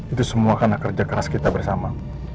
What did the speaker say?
itu semua karena kerja keras kita bersama